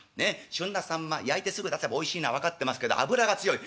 旬なさんま焼いてすぐ出せばおいしいのは分かってますけど脂が強い。